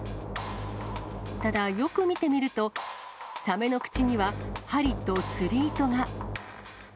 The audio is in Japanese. ただ、よく見てみると、サメの口には針と釣り糸が。